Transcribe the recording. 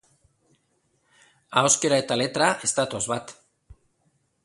Ahoskera eta letra ez datoz bat.